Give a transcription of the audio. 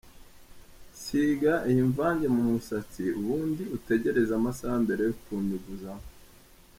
Siga iyi mvange mu musatsi ubundi utegereze amasaha mbere yo kunyuguzamo.